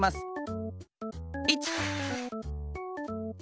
１！